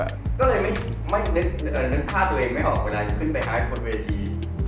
ก็เลยไม่นึกภาพตัวเองไม่ออกเวลาจะขึ้นไปท้ายบนเวที